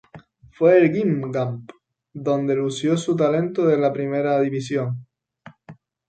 Fue en Guingamp, donde lució su talento en la primera división.